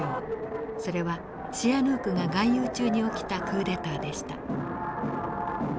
それはシアヌークが外遊中に起きたクーデターでした。